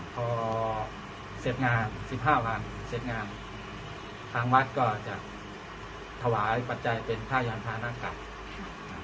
พอเสร็จงานสิบห้าวันเสร็จงานทางวัดก็จะถวายปัจจัยเป็นผ้ายานพานะกลับอ่า